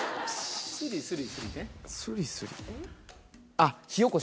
あっ。